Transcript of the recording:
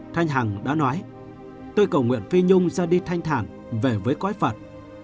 thanh hằng đã nói tôi cầu nguyện phi nhung ra đi thanh thản về với quái phật